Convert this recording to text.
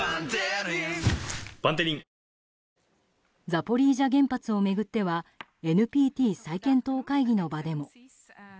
ザポリージャ原発を巡ってはＮＰＴ再検討会議の場でも。